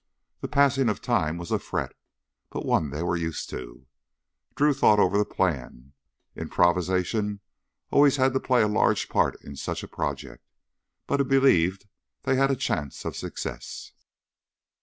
The passing of time was a fret, but one they were used to. Drew thought over the plan. Improvisation always had to play a large part in such a project, but he believed they had a chance of success.